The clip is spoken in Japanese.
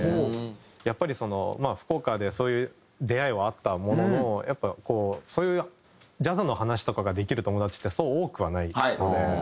やっぱりそのまあ福岡でそういう出会いはあったもののやっぱこうそういうジャズの話とかができる友達ってそう多くはないので。